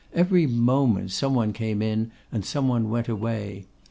Every moment some one came in, and some one went away.